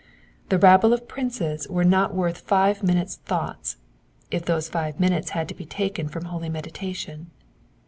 The rabble of princes were not worth live minutes' thought, if those five minutes bad to be taken from holy meditation.